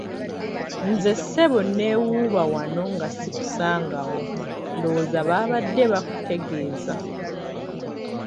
Nze ssebo neewuba wano nga sikusangawo; ndowooza babadde bakutegeeza.